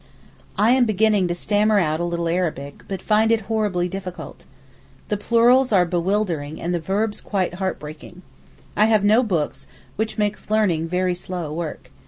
I am beginning to stammer out a little Arabic, but find it horribly difficult. The plurals are bewildering and the verbs quite heart breaking. I have no books, which makes learning very slow work.